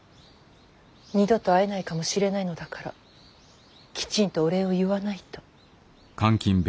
二度と会えないかもしれないのだからきちんとお礼を言わないと。